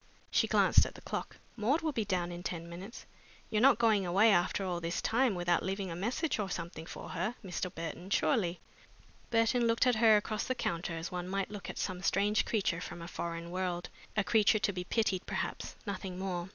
She glanced at the clock. "Maud will be down in ten minutes. You're not going away after all this time without leaving a message or something for her, Mr. Burton, surely?" Burton looked at her across the counter as one might look at some strange creature from a foreign world, a creature to be pitied, perhaps, nothing more.